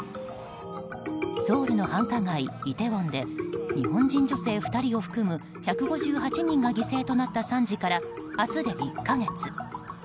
ソウルの繁華街、イテウォンで日本人女性２人を含む１５８人が犠牲となった惨事から明日で１か月。